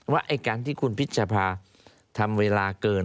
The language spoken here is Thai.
ไอ้การที่คุณพิชภาทำเวลาเกิน